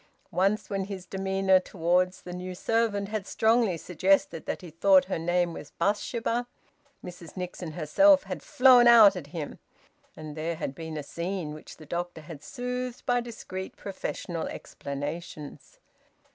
Once, when his demeanour towards the new servant had strongly suggested that he thought her name was Bathsheba, Mrs Nixon herself had `flown out' at him, and there had been a scene which the doctor had soothed by discreet professional explanations.